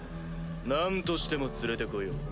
何としても連れてこよう。